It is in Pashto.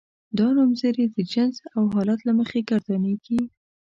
دا نومځري د جنس او حالت له مخې ګردانیږي.